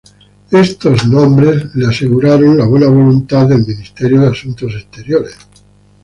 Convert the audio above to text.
Estos nombres le aseguraron la buena voluntad del Ministerio de Asuntos Exteriores.